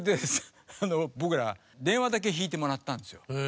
僕ら電話だけ引いてもらったんですよ。